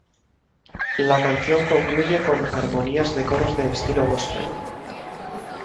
La canción concluye con "armonías de coros de estilo gospel".